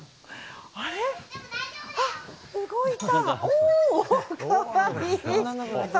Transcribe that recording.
あ、動いた！